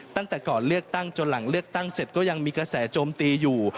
ตั้งแต่ก่อนเลือกตั้งจนหลังเลือกตั้งเสร็จก็ยังมีกระแสโจมตีอยู่